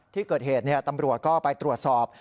ที่เกิดเหตุตำรวจก็ไปตรวจสอบ